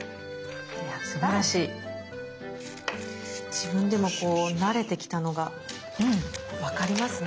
自分でもこう慣れてきたのが分かりますね。